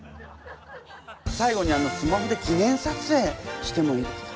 最後にスマホで記念さつえいしてもいいですか？